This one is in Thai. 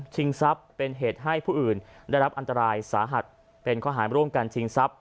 ทรัพย์เป็นเหตุให้ผู้อื่นได้รับอันตรายสาหัสเป็นข้อหารร่วมกันชิงทรัพย